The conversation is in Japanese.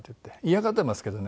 嫌がってますけどね